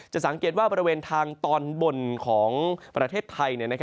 สังเกตว่าบริเวณทางตอนบนของประเทศไทย